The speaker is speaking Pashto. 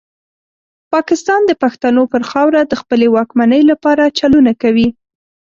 پاکستان د پښتنو پر خاوره د خپلې واکمنۍ لپاره چلونه کوي.